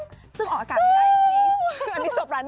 ต้องออกการไม่ได้จริง